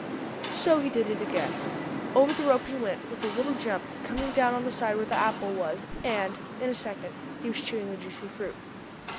So he did it again. Over the rope he went, with a little jump, coming down on the side where the apple was, and, in a second he was chewing the juicy fruit.